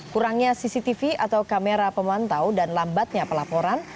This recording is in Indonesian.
kurangnya cctv atau kamera pemantau dan lambatnya pelaporan